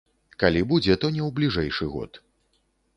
Калі будзе, то не ў бліжэйшы год.